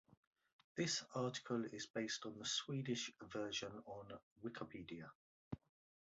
This article is based on the Swedish version on Wikipedia.